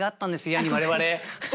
「や」に我々。